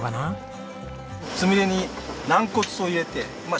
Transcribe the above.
つみれに軟骨を入れてまあ